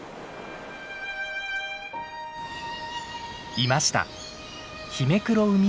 いました！